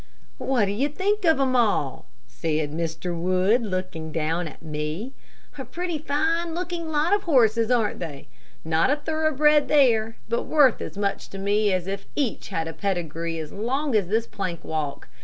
"What do you think of them all?" said Mr. Wood, looking down at me. "A pretty fine looking lot of horses, aren't they? Not a thoroughbred there, but worth as much to me as if each had pedigree as long as this plank walk.